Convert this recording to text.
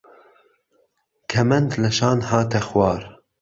کهمهند لهشان هاته خوار